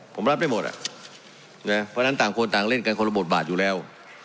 ผมรับได้หมดอ่ะนะเพราะฉะนั้นต่างคนต่างเล่นกันคนละบทบาทอยู่แล้ว